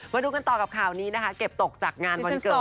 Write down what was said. มาดูกันต่อกับข่าวนี้นะคะเก็บตกจากงานวันเกิด